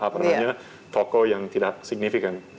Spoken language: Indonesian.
apa namanya toko yang tidak signifikan